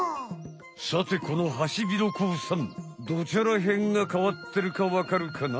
さてこのハシビロコウさんどちゃらへんがかわってるかわかるかな？